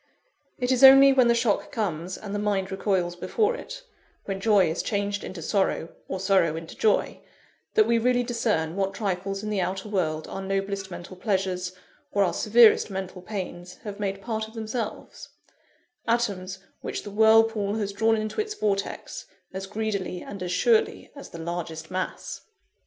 It is only when the shock comes, and the mind recoils before it when joy is changed into sorrow, or sorrow into joy that we really discern what trifles in the outer world our noblest mental pleasures, or our severest mental pains, have made part of themselves; atoms which the whirlpool has drawn into its vortex, as greedily and as surely as the largest mass.